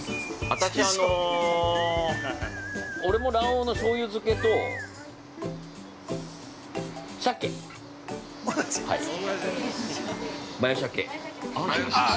◆あたし、あの俺も卵黄のしょうゆ漬けと鮭。マヨ鮭。